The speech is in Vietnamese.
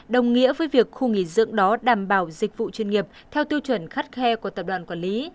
đồng nghĩa với việc khu nghỉ dưỡng đó đảm bảo dịch vụ chuyên nghiệp theo tiêu chuẩn khắt khe của tập đoàn quản lý